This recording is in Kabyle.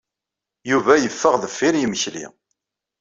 Yuba yeffeɣ deffir yimekli.